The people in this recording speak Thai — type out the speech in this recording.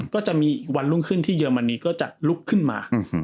ก็จะมีอีกวันรุ่งขึ้นที่เรมนีก็จะลุกขึ้นมา